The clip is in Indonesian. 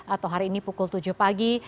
atau hari ini pukul tujuh pagi